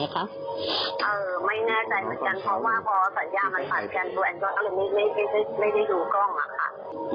เอ่อไม่แน่ใจเหมือนกันเพราะว่าพอสัญญาณมันผ่านเพียงดูแอลก็ไม่ได้ดูกล้องอะค่ะ